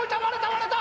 割れた！